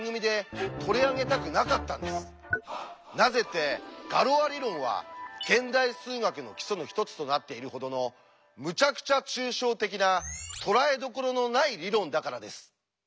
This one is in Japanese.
なぜって「ガロア理論」は現代数学の基礎の一つとなっているほどのむちゃくちゃ抽象的な捉えどころのない理論だからです。